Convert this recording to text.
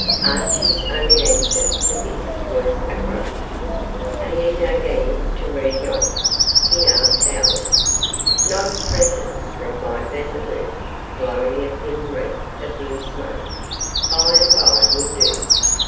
Archie's only answer to this was a grunt. 'Are ye no gangin' tae read yon?' he asked sourly. 'Not at present,' replied Vandeloup, blowing a thin wreath of blue smoke, 'by and bye will do.